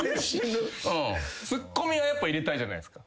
ツッコミはやっぱ入れたいじゃないですか。